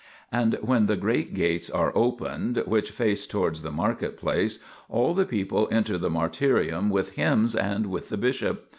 And when the great gates are opened, which face towards the market place, all the people enter the martyrium with hymns and with the bishop.